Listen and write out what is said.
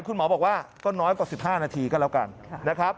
คุณหมอบอกว่าก็น้อยกว่า๑๕นาทีก็แล้วกันนะครับ